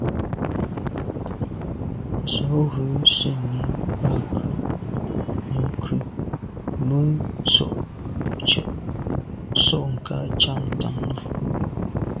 Z’o ghù sènni ba ke ? Numk’o ke tsho’ tshe’ so kà ntsha’t’am à.